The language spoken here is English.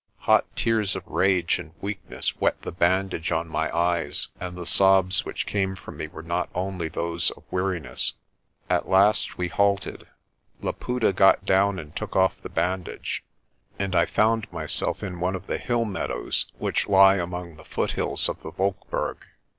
Hot tears of rage and weakness wet the bandage on my eyes, and the sobs which came from me were not only those of weariness. At last we halted. Laputa got down and took off the bandage, and I found myself in one of the hill meadows which lie among the foothills of the Wolkberg.